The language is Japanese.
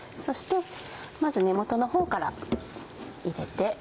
そしてまず根元のほうから入れて。